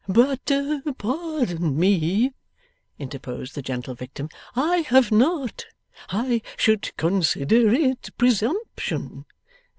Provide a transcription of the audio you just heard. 'But pardon me,' interposed the gentle victim, 'I have not. I should consider it presumption.